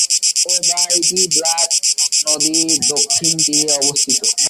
সম্প্রদায়টি Black নদীর দক্ষিণ তীরে অবস্থিত।